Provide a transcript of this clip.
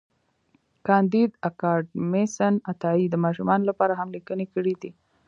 کانديد اکاډميسن عطایي د ماشومانو لپاره هم لیکني کړي دي.